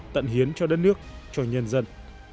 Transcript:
tận hiến cho đất nước cho nhân dân